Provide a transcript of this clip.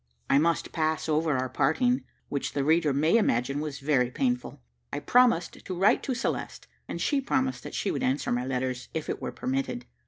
I must pass over our parting, which the reader may imagine was very painful. I promised to write to Celeste, and she promised that she would answer my letters, if it were permitted.